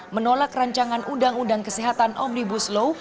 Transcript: menolak rancangan undang undang kesehatan omnibus law